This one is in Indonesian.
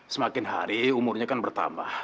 semakin hari umurnya kan bertambah